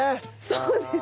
そうですね。